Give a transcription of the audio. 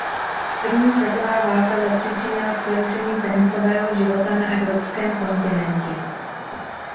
První světová válka zapříčinila přerušení tenisového života na evropském kontinentě.